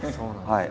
はい。